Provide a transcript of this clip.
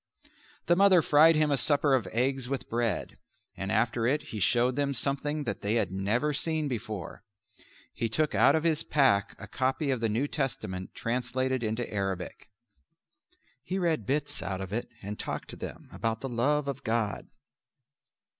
The mother fried him a supper of eggs with bread, and after it he showed them something that they had never seen before. He took out of his pack a copy of the New Testament translated into Arabic. He read bits out of it and talked to them about the Love of God.